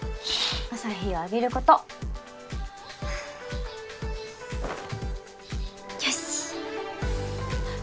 朝日を浴びることよしっ